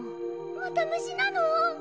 また虫なの？